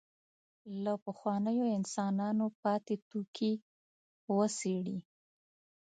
له پخوانیو انسانانو پاتې توکي وڅېړي.